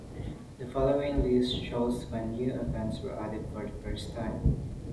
The following list shows when new events were added for the first time.